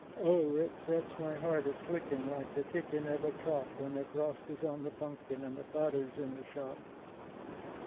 —O, it sets my hart a clickin' like the tickin' of a clock, When the frost is on the punkin and the fodder's in the shock.